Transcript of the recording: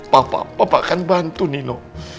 papa papa akan bantu nino